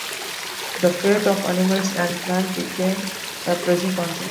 The fate of animals and plants became a pressing concern.